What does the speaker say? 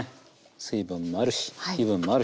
水分もあるし油分もあるし。